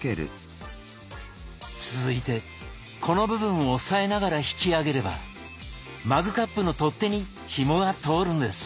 続いてこの部分を押さえながら引き上げればマグカップの取っ手にひもが通るんです。